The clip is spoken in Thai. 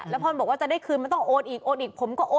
แล้วพอบอกว่าจะได้คืนมันต้องโอนอีกโอนอีก